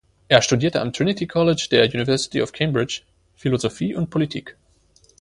Er studierte am Trinity College der University of Cambridge Philosophie und Politik.